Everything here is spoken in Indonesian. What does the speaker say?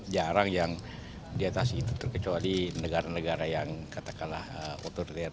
jarang yang di atas itu terkecuali negara negara yang katakanlah otoriter